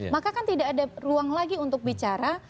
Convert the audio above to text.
maka kan tidak ada ruang lagi untuk bicara